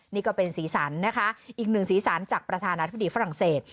นี่ก็เป็นสีสันนะคะอีกหนึ่งสีสันจากประธานาธิบดีฝรั่งเศส